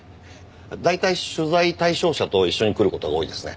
大体取材対象者と一緒に来る事が多いですね。